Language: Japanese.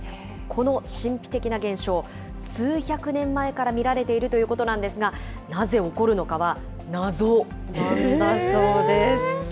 この神秘的な現象、数百年前から見られているということなんですが、なぜ起こるのかは謎なんだそうです。